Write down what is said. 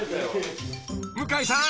［向井さん